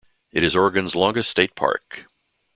It is Oregon's longest state park.